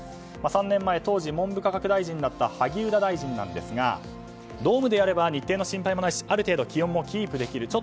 ３年前、当時文部科学大臣だった萩生田大臣なんですがドームでやれば日程の心配もないしある程度、気温もキープできる。